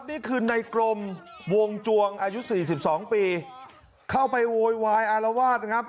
นี่คือในกรมวงจวงอายุสี่สิบสองปีเข้าไปโวยวายอารวาสนะครับ